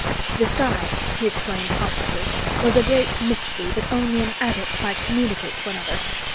The sky, he explained pompously, was a great mystery that only an adept might communicate to another.